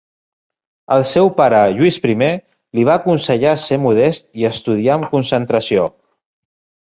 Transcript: El seu pare, Luis I, li va aconsellar ser modest i estudiar amb concentració.